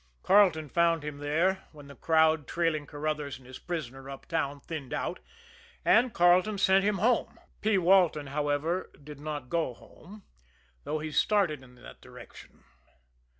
Carleton found him there when the crowd, trailing Carruthers and his prisoner uptown, thinned out and Carleton sent him home. P. Walton, however, did not go home, though he started in that direction.